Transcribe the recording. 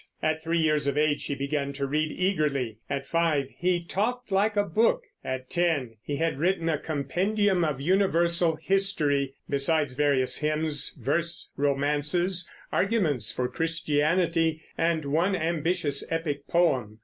At three years of age he began to read eagerly; at five he "talked like a book"; at ten he had written a compendium of universal history, besides various hymns, verse romances, arguments for Christianity, and one ambitious epic poem.